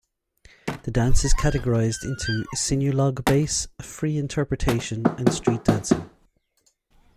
The dance is categorized into Sinulog-base, Free-Interpretation, and street dancing.